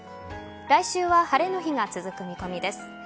来週は晴れの日が続く見込みです。